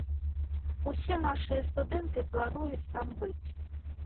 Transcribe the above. Усе нашыя студэнты плануюць там быць.